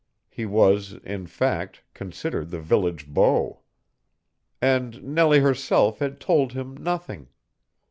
He was, in fact, considered the village beau. And Nellie herself had told him nothing.